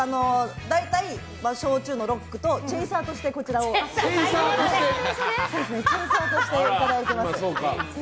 大体焼酎のロックとチェイサーとしてこちらをいただいています。